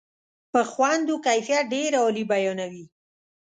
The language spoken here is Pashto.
په خوند و کیفیت ډېره عالي بیانوي.